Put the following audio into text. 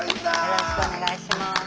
よろしくお願いします。